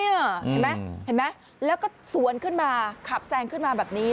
เห็นไหมเห็นไหมแล้วก็สวนขึ้นมาขับแซงขึ้นมาแบบนี้